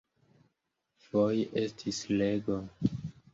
Foje estis rego.